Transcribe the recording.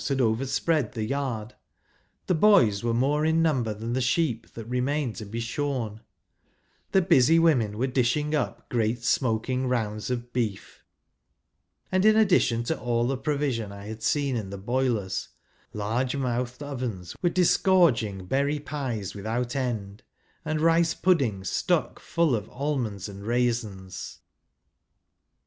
ad over¬ spread the yard; the boys were more in number than the sheep that remained to be shorn ; the busy women were dishing up great smoking rounds of beef ; and in addition to all the provision I had seen in the boilers, large moutlied ovens were disgorging berry pies without end, and idee puddiugs stuck ftdl of almonds and raisins.